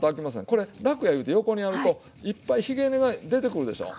これ楽やゆうて横にやるといっぱいひげ根が出てくるでしょ？